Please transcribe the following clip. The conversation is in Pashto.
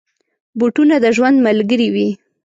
بوټونه د ژوند ملګري وي.